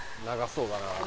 長そうだな。